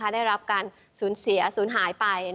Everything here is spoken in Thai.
ได้รับการสูญเสียศูนย์หายไป